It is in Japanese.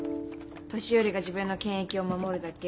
年寄りが自分の権益を守るだけ。